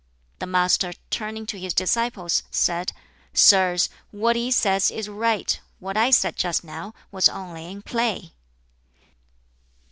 '" The Master (turning to his disciples) said, "Sirs, what he says is right: what I said just now was only in play."